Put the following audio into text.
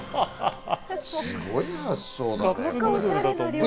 すごい発想だね。